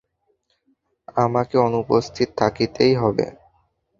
আমাকে অনুপস্থিত থাকতেই হবে।